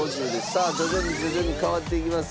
さあ徐々に徐々に変わっていきます。